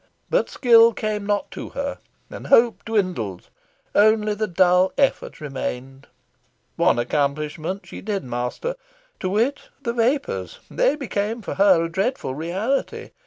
But skill came not to her, and hope dwindled; only the dull effort remained. One accomplishment she did master to wit, the vapours: they became for her a dreadful reality.